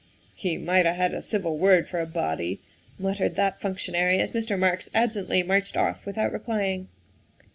" He might 'a' had a civil word for a body," muttered that functionary as Mr. Marks absently marched off without replying.